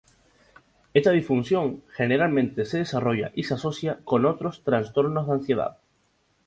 Esta disfunción generalmente se desarrolla y se asocia con otros trastornos de ansiedad.